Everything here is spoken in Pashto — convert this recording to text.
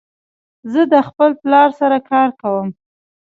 زه د خپل پلار سره کار کوم.